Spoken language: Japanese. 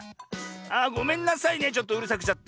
あごめんなさいねちょっとうるさくしちゃって。